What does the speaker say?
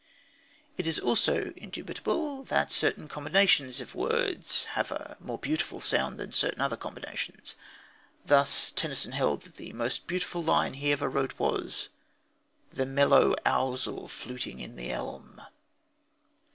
It is also indubitable that certain combinations of words have a more beautiful sound than certain other combinations. Thus Tennyson held that the most beautiful line he ever wrote was: The mellow ouzel fluting in the elm.